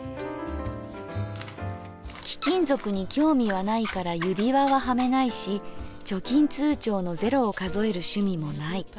「貴金属に興味はないから指輪ははめないし貯金通帳の０を数える趣味もない。